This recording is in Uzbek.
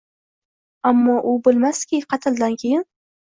Ammo u bilmas-ki qatldan keyin